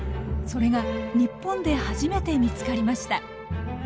それが日本で初めて見つかりました。